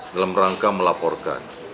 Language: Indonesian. dalam rangka melaporkan